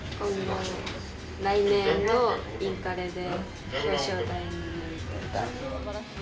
来年のインカレで、表彰台にのぼりたい。